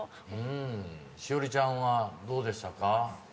しおりちゃんはどうでしたか？